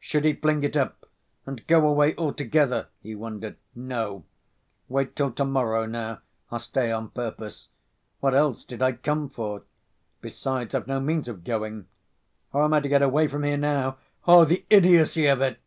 "Should he fling it up and go away altogether?" he wondered. "No, wait till to‐morrow now. I'll stay on purpose. What else did I come for? Besides, I've no means of going. How am I to get away from here now? Oh, the idiocy of it!"